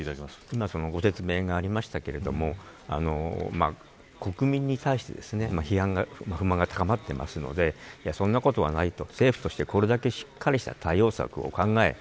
今、ご説明がありましたけど国民に対して不満が高まっていますのでそんなことはない、政府としてこれだけしっかりと対応策を考え